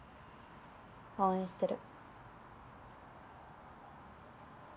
応援してる。